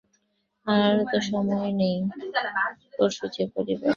আর তো সময় নেই– পরশু যে রবিবার।